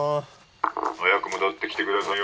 早く戻ってきてくださいよ。